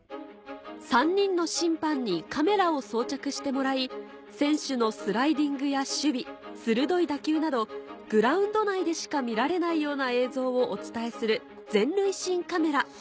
３人の審判にカメラを装着してもらい選手のスライディングや守備鋭い打球などグラウンド内でしか見られないような映像をお伝えする全塁審カメラ